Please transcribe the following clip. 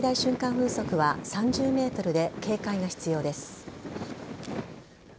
風速は３０メートルで警戒が必要です。